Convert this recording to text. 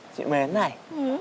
chị mến này